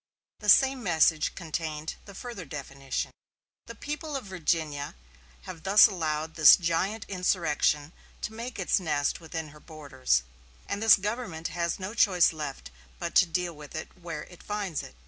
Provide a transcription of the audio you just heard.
The same message contained the further definition: "The people of Virginia have thus allowed this giant insurrection to make its nest within her borders; and this government has no choice left but to deal with it where it finds it.